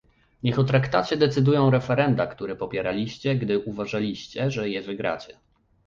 Niech o Traktacie zadecydują referenda, które popieraliście, gdy uważaliście, że je wygracie